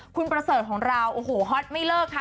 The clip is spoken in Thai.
คุณประเสริฐของเราโอ้โหฮอตไม่เลิกค่ะ